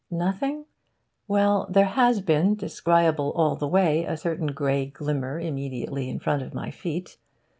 Nothing? Well, there has been descriable, all the way, a certain grey glimmer immediately in front of my feet.